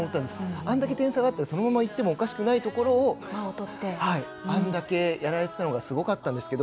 あれだけ点差があってそのまま行ってもおかしくないところをあれだけやられたのがすごかったんですけど